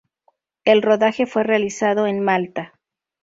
El rodaje fue realizado en Malta.